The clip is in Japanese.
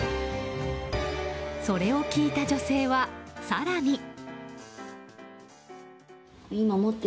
それを聞いた女性は、更に。